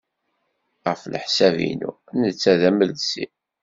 Ɣef leḥsab-inu, netta d amelsi.